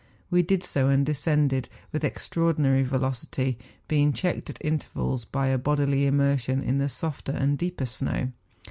We did so, and descended with extraordinary velocity, being checked at intervals by a bodily immersion in the softer and deeper snow.